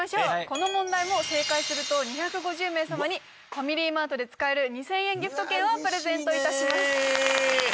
この問題も正解すると２５０名様にファミリーマートで使える２０００円ギフト券をプレゼントいたします。